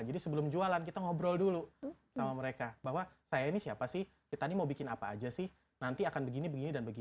jadi sebelum jualan kita ngobrol dulu sama mereka bahwa saya ini siapa sih kita ini mau bikin apa aja sih nanti akan begini begini dan begini